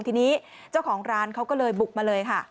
ทีนี้เจ้าของร้านเขาก็เลยบุกมาเลยค่ะ